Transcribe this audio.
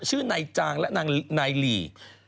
ชื่อนายจางและนางนายหลี